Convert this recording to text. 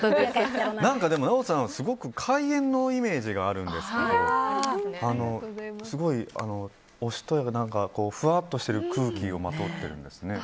でも、奈緒さんはすごく怪演のイメージがあるんですけどすごいおしとやかなふわっとした空気をまとっていて。